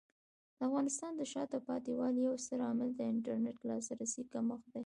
د افغانستان د شاته پاتې والي یو ستر عامل د انټرنیټ لاسرسي کمښت دی.